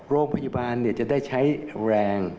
โรงพยาบาลจะได้ใช้แรง